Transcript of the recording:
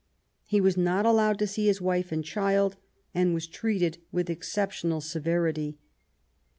He was not allowed to see his wife and child, and was treated with exceptional severity.